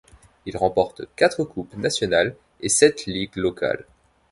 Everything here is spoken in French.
Il remporte quatre coupes nationales, et sept ligues locales.